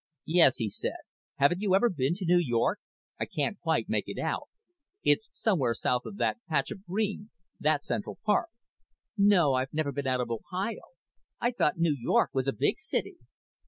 "Yes," he said. "Haven't you ever been to New York? I can't quite make it out. It's somewhere south of that patch of green that's Central Park." "No, I've never been out of Ohio. I thought New York was a big city."